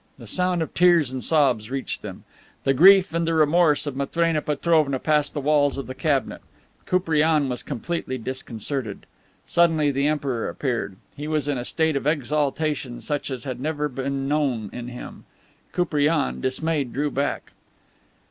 The sound of tears and sobs reached them. The grief and the remorse of Matrena Petrovna passed the walls of the cabinet. Koupriane was completely disconcerted. Suddenly the Emperor appeared. He was in a state of exaltation such as had never been known in him. Koupriane, dismayed, drew back.